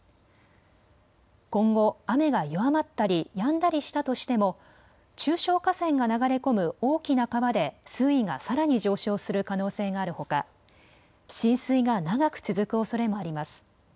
今後、雨が弱まったりやんだりしたとしても中小河川が流れ込む大きな川で水位がさらに上昇する可能性があるほか浸水が長く続くおそれもあります。